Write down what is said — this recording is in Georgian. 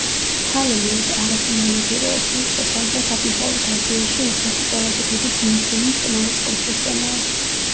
თალე ნოის არასამონადირეო სივრცე სამხრეთ-აღმოსავლეთ აზიაში ერთ-ერთი ყველაზე დიდი ბუნებრივი მტკნარი წყლის სისტემაა.